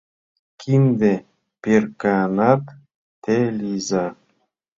Кинде перкеанат те лийза